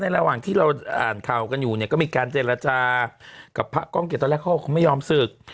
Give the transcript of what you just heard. ระหว่างที่เราอ่านข่าวกันอยู่เนี่ยก็มีการเจรจากับพระก้องเกียจตอนแรกเขาก็คงไม่ยอมศึก